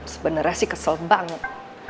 sebenernya sih kesel banget